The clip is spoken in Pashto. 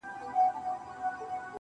تر مخه ښې وروسته به هم تر ساعتو ولاړ وم.